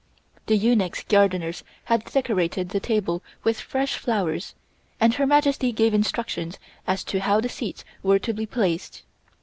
The eunuch gardeners had decorated the table with fresh flowers, and Her Majesty gave instructions as to how the seats were to be placed.